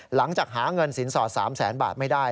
หลังจากหาเงินสินสอด๓แสนบาทไม่ได้